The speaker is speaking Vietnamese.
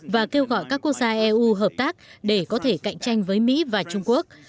và kêu gọi các quốc gia eu hợp tác để có thể cạnh tranh với mỹ và trung quốc